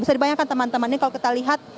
bisa dibayangkan teman teman ini kalau kita lihat